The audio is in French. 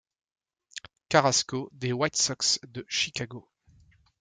Carrasco des White Sox de Chicago.